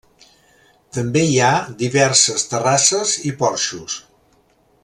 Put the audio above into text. També hi ha diverses terrasses i porxos.